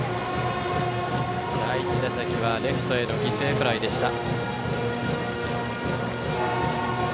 第１打席はレフトへの犠牲フライでした。